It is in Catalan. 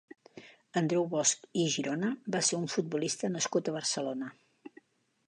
Andreu Bosch i Girona va ser un futbolista nascut a Barcelona.